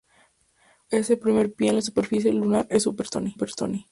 Oh, ese primer pie en la superficie lunar es super, Tony!